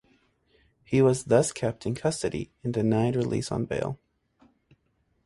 He was thus kept in custody and denied release on bail.